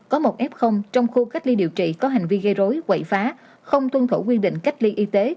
có một f trong khu cách ly điều trị có hành vi gây rối quậy phá không tuân thủ quy định cách ly y tế